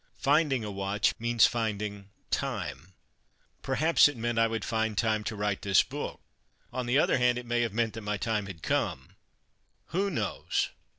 Finding a watch means finding "Time" perhaps it meant I would find time to write this book; on the other hand it may have meant that my time had come who knows?